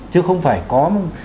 chứ không phải có